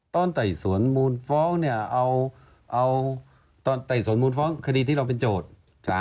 ตอนแต่สวนโมนฟ้องคดีที่เราเป็นโจทย์